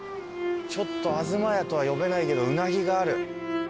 ちょっと阿づ満やとは読めないけどうなぎがある。